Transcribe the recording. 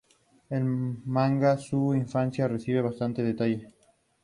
En la Manga, su infancia recibe bastante detalle.